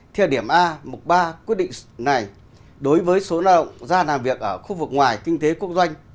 theo điểm a mục ba quyết định này đối với số lao động ra làm việc ở khu vực ngoài kinh tế quốc doanh